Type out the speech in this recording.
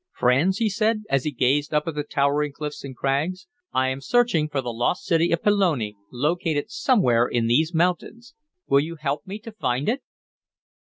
"Friends," he said, as he gazed up at the towering cliffs and crags, "I am searching for the lost city of Pelone, located somewhere in these mountains. Will you help me to find it?"